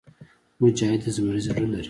مجاهد د زمري زړه لري.